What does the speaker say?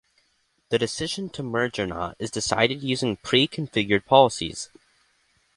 The decision to merge or not is decided using pre-configured policies.